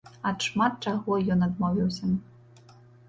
Ад шмат чаго ён адмовіўся.